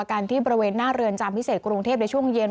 กันที่บริเวณหน้าเรือนจำพิเศษกรุงเทพในช่วงเย็น